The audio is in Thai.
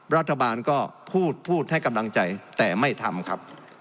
รัฐบาลก็พูดพูดให้กำลังใจแต่ไม่ทำครับ